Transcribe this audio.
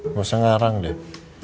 nggak usah ngarang deh